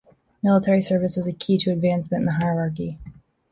Military service was a key to advancement in the hierarchy.